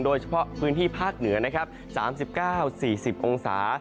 โดยเฉพาะพื้นที่ภาคเหนือนะครับ๓๙๔๐องศา